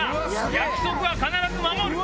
約束は必ず守る。